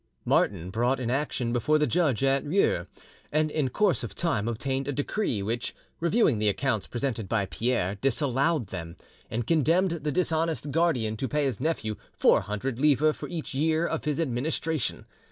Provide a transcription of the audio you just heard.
Martin brought an action before the judge at Rieux, and in course of time obtained a decree, which, reviewing the accounts presented by Pierre, disallowed them, and condemned the dishonest guardian to pay his nephew four hundred livres for each year of his administration.